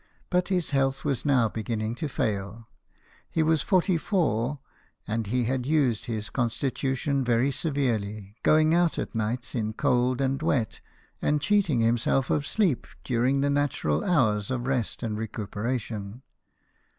But his health was now beginning to fail. He was forty four, and he had used his constitution very severely, going out at nights in cold and wet, and cheating himself of sleep during the natural hours of rest: and recuperation.